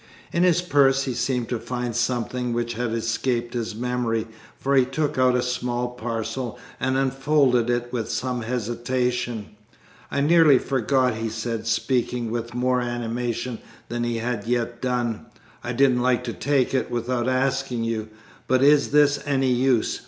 In his purse he seemed to find something which had escaped his memory, for he took out a small parcel and unfolded it with some hesitation. "I nearly forgot," he said, speaking with more animation than he had yet done, "I didn't like to take it without asking you, but is this any use?